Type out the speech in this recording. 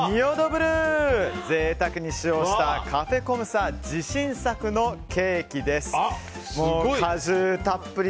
これを贅沢に使用したカフェコムサ自信作のケーキです。